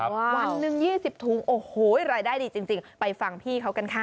วันหนึ่ง๒๐ถุงโอ้โหรายได้ดีจริงไปฟังพี่เขากันค่ะ